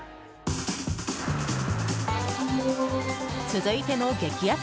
続いての激安